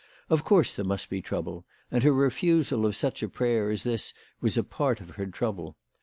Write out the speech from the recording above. Of course there must be trouble, and her refusal of such a prayer as this was a part of her trouble.